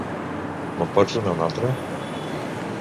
Me'n pots donar una altra?